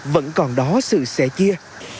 vẫn còn đó sự sẻ chia